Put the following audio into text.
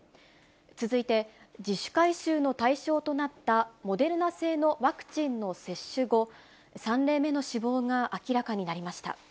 続いて、自主回収の対象となったモデルナ製のワクチンの接種後、３例目の死亡が明らかになりました。